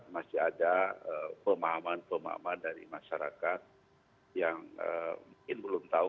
masih ada pemahaman pemahaman dari masyarakat yang mungkin belum tahu